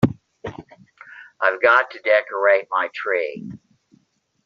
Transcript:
I've got to decorate my tree.